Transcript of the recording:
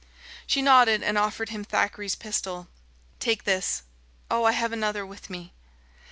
She nodded and offered him Thackeray's pistol. "Take this. O, I have another with me."